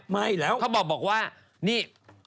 ไม่แล้วเขาบอกว่านี่